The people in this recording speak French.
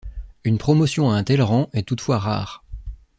Une promotion à un tel rang est toutefois rare.